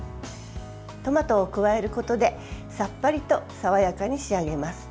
トマトを加えることでさっぱりと爽やかに仕上げます。